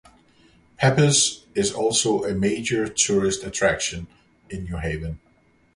Pepe's is also a major tourist attraction in New Haven.